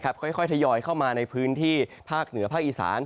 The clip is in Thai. ค่อยทยอยเข้ามาในพื้นที่ภาคเหนือภาคอีสาน